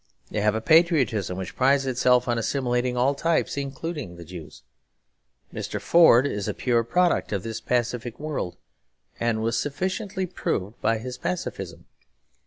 They have a patriotism which prides itself on assimilating all types, including the Jews. Mr. Ford is a pure product of this pacific world, as was sufficiently proved by his pacifism.